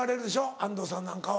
安藤さんなんかは。